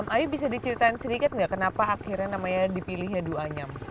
ayu bisa diceritain sedikit enggak kenapa akhirnya namanya dipilihnya duanyam